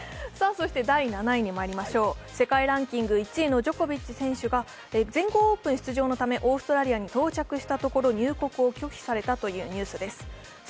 第７位は世界ランキング１位のジョコビッチ選手が全豪オープン出場のためオーストラリアに到着したところ入国を拒否されたというニュースです。